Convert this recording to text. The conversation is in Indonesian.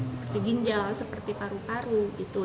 seperti ginjal seperti paru paru gitu